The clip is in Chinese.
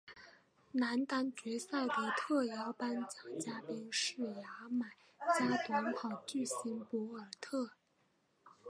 男单决赛的特邀颁奖嘉宾是牙买加短跑巨星博尔特。